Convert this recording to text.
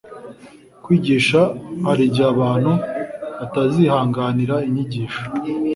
kwigisha hari igihe abantu batazihanganira inyigisho